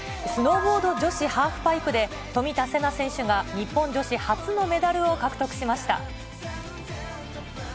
スノーボード女子ハーフパイプで、冨田せな選手が、日本女子初のメダルを獲得しました。